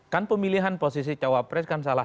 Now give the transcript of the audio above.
kan pemilihan posisi jawa pres kan salah